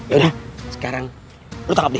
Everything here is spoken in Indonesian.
yaudah sekarang lu tangkap tangan